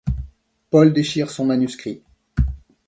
Paul déchire son manuscrit.